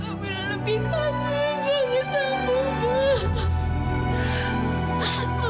mama kamu tidak lebih kangen kangen sama mama